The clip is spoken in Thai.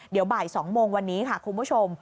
เดี๋ยวบ่าย๒โมงวันนี้ค่ะคุณผู้ชม